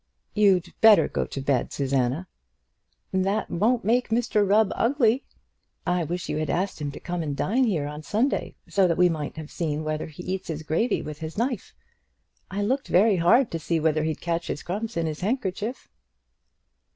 "You'd better go to bed, Susanna." "That won't make Mr Rubb ugly. I wish you had asked him to come and dine here on Sunday, so that we might have seen whether he eats his gravy with his knife. I looked very hard to see whether he'd catch his crumbs in his handkerchief."